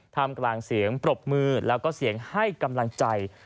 ทำกลางเสียงปรบมือแล้วก็เสียงให้กำลังใจ